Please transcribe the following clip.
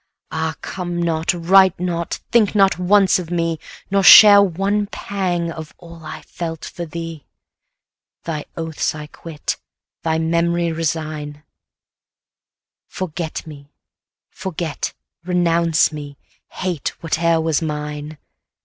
290 Ah, come not, write not, think not once of me, Nor share one pang of all I felt for thee! Thy oaths I quit, thy memory resign; Forget, renounce me, hate whate'er was mine.